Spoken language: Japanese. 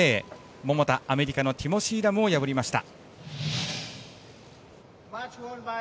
桃田、アメリカのティモシー・ラムを破りました。